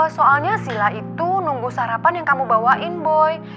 soalnya sila itu nunggu sarapan yang kamu bawain boy